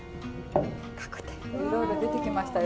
いろいろ出てきましたよ。